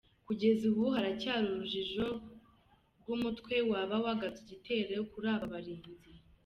Kugeza ubu haracyari urujijo rw’umutwe waba wagabye igitero kuri aba barinzi.